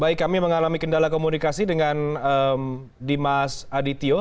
baik kami mengalami kendala komunikasi dengan dimas adityo